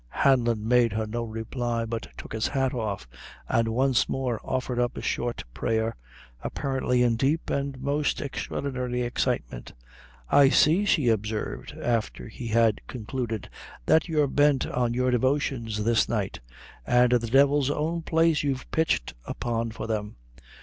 Hanlon made her no reply, but took his hat off, and once more offered up a short prayer, apparently in deep and most extraordinary excitement. "I see," she observed, after he had concluded, "that you're bent on your devotions this night; and the devil's own place you've pitched upon for them."